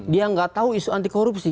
dia nggak tahu isu anti korupsi